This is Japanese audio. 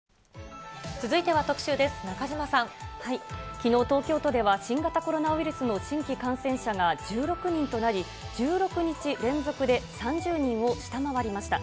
きのう、東京都では新型コロナウイルスの新規感染者が１６人となり、１６日連続で３０人を下回りました。